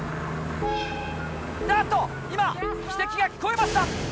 なんと今汽笛が聞こえました！